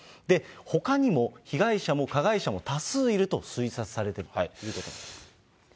ほかにも、被害者も加害者も多数いると推察されているということです。